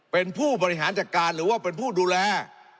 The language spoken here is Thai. เป็นผู้บริหารจัดการหรือว่าเป็นผู้ดูแล